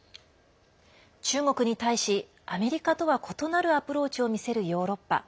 中国に対しアメリカとは異なるアプローチを見せるヨーロッパ。